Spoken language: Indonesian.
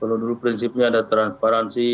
kalau dulu prinsipnya ada transparansi